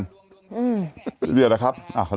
แต่หนูจะเอากับน้องเขามาแต่ว่า